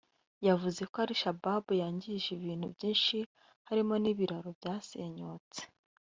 yavuze ko Al shabaab yangije ibintu byinshi harimo n’ibiraro byasenyutse